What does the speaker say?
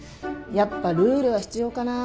やっぱルールは必要かな。